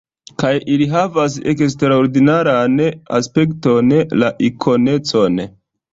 Kaj ili havas eksterordinaran aspekton: la ikonecon.